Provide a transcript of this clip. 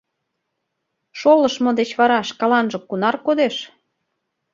Шолыштмо деч вара шкаланже кунар кодеш?